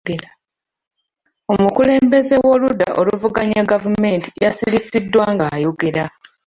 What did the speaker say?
Omukulembeze w'oludda oluvuganya gavumenti yasirisiddwa ng'ayogera.